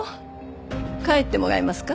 帰ってもらえますか？